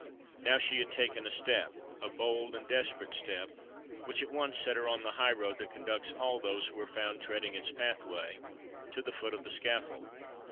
Now she had taken a step—a bold and desperate step—which at once set her on the high road that conducts all those who are found treading its pathway, to the foot of the scaffold!